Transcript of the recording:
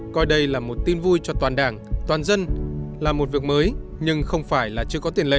coi đây là một tin vui cho toàn đảng toàn dân là một việc mới nhưng không phải là chưa có tiền lệ